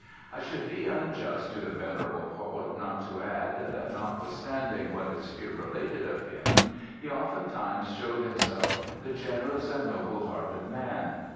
I should be unjust to the venerable poet not to add, that notwithstanding what is here related of him, be oftentimes showed himself the generous and noble hearted man.